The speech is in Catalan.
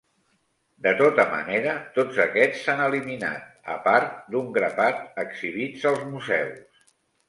De tota manera, tots aquests s'han eliminat, apart d'un grapat exhibits als museus.